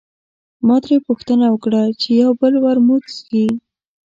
ما ترې پوښتنه وکړه چې یو بل ورموت څښې.